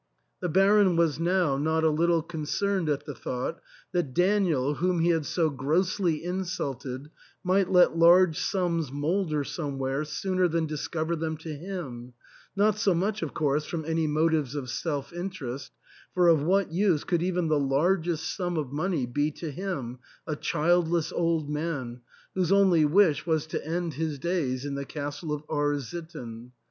The Baron was now not s little concerned at the thought that Daniel, whom lie had so grossly insulted, might let large sums moulder somewhere sooner than discover them to him, not so much, of course, from any motives of self interest, — for of what use could even the largest sum of money be to him, a childless old man, whose only wish was to end his days in the castle of R — ^sitten?